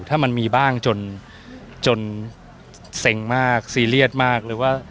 ถ้ามันมีบ้างจนเซ็งมากซีเรียสมากหรือว่า